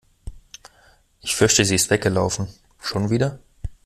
Ich fürchte sie ist weggelaufen. Schon wieder?